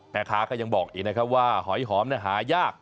แม่ค้าก็ยังบอกอีกนะครับว่าหอยหอมหายาก